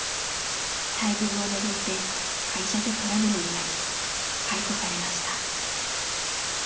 待遇をめぐって会社とトラブルになり解雇されました。